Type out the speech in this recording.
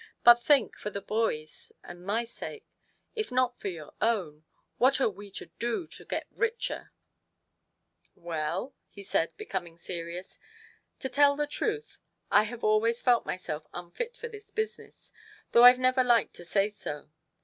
" But think, for the boys' and my sake, if not for your own, what are we to do to get richer ?" "Well," he said, becoming serious, "to tell the truth, I have always felt myself unfit for this business, though I've never liked to say so.